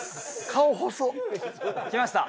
顔細っ！来ました。